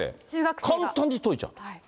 簡単に解いちゃう。